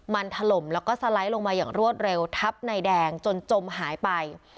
มันถล่มแล้วก็สไลด์ลงมาอย่างรวดเร็วทับนายแดงจนจมหายไป